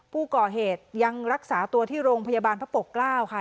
ผู้ก่อเหตุยังรักษาตัวที่โรงพยาบาลพระปกเกล้าค่ะ